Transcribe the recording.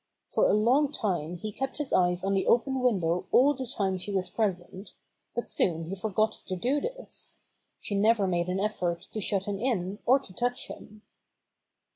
For a long time he kept his eyes on the open window all the time she was present, but soon he forgot to do this. She never made an effort to shut him in or to touch him.